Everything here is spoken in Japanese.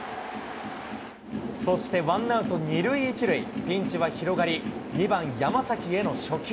そして、ワンアウト２塁１塁、ピンチは広がり、２番山崎への初球。